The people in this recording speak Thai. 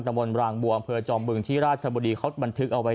บนรางบัวอำเภอจอมบึงที่ราชบุรีเขาบันทึกเอาไว้